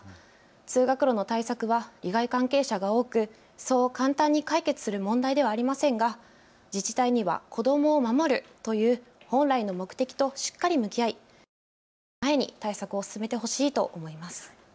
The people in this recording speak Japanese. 通学路の対策は利害関係者が多くそう簡単に解決する問題ではありませんが自治体には子どもを守るという本来の目的としっかり向き合い一歩でも前に対策を進めてほしいと思います。